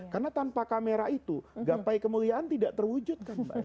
karena tanpa kamera itu gapai kemuliaan tidak terwujud